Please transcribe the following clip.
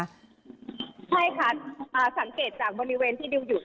ใช่ค่ะสังเกตจากบริเวณที่ดิวอยู่